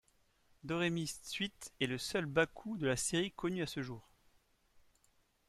Doremy Sweet est le seul baku de la série connu à ce jour.